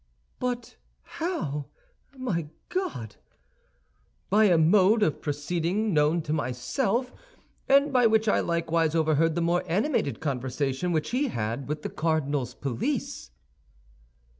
"But how, my God?" "By a mode of proceeding known to myself, and by which I likewise overheard the more animated conversation which he had with the cardinal's police."